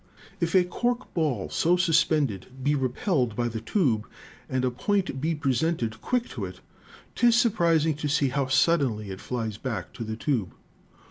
If a cork ball so suspended be repelled by the tube, and a point be presented quick to it, 'tis surprising to 1 62 ELECTRICITY see how suddenly it flies back to the tube.